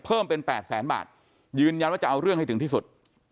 เพิ่มเป็น๘แสนบาทยืนยันว่าจะเอาเรื่องให้ถึงที่สุด